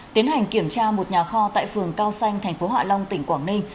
tiến hành kiểm tra một nhà kho tại phường cao xanh thành phố hạ long tỉnh quảng ninh